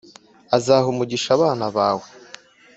“Azaha umugisha abana bawe,